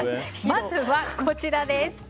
まずは、こちらです。